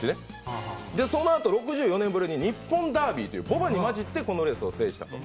そのあと６４年ぶりに日本ダービーで牡馬に交じってそのレースを制したと。